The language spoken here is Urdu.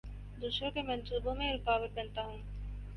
دوسروں کے منصوبوں میں رکاوٹ بنتا ہوں